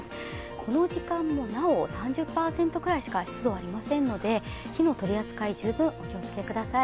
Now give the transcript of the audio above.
この時間もなお３０％ぐらいしか湿度がありませんので、火の取り扱い、十分お気をつけください。